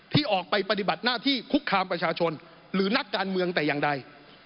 ที่ออกไปปฏิบัติหน้าที่คุกคามประชาชนหรือนักการเมืองแต่อย่างใด